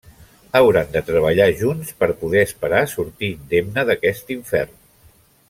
Hauran de treballar junts per poder esperar sortir indemne d'aquest infern.